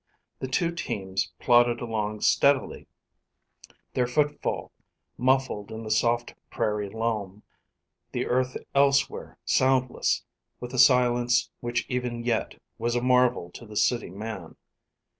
The two teams plodded along steadily, their footfall muffled in the soft prairie loam; the earth elsewhere soundless, with a silence which even yet was a marvel to the city man.